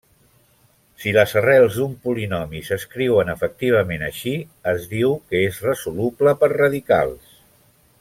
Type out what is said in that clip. Si les arrels d'un polinomi s'escriuen efectivament així, es diu que és resoluble per radicals.